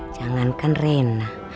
jangan kan rena